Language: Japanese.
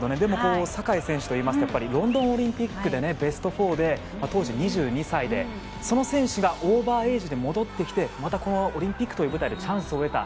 酒井選手といいますとロンドンオリンピックでベスト４で当時２２歳で、その選手がオーバーエージで戻ってきてまたこのオリンピックという舞台でチャンスを得た。